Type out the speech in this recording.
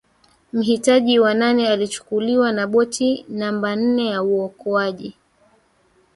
mhitaji wa nane alichukuliwa na boti namba nne ya uokoaji